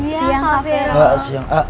siang kak fero